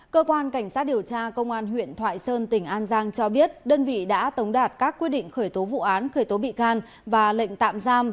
cơ quan cảnh sát điều tra công an huyện thoại sơn tỉnh an giang cho biết đơn vị đã tống đạt các quyết định khởi tố vụ án khởi tố bị can và lệnh tạm giam